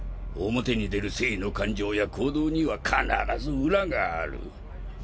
表に出る正の感情や行動には必ず裏がある。